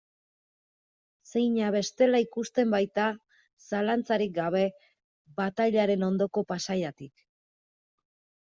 Zeina bestela ikusten baita, zalantzarik gabe, batailaren ondoko paisaiatik.